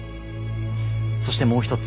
そしてもう一つ。